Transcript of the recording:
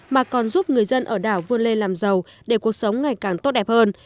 mà còn giúp người dân ở đảo vươn lên làm giàu để cuộc sống ngày càng tốt đẹp hơn